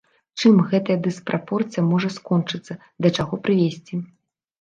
Чым гэтая дыспрапорцыя можа скончыцца, да чаго прывесці?